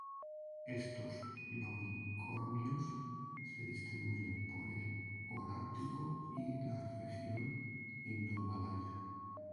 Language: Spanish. Estos longicornios se distribuyen por el holártico y la región indomalaya.